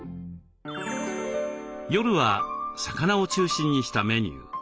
夜は魚を中心にしたメニュー。